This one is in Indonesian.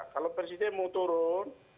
kalau presiden mau turun